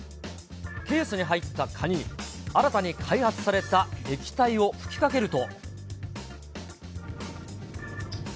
ケースに入った蚊に、新たに開発された液体を吹きかけると。